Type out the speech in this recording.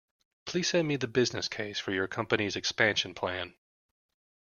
Please send me the business case for your company’s expansion plan